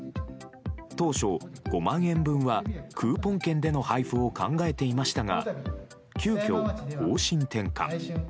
当初、５万円分はクーポン券での配布を考えていましたが急きょ方針転換。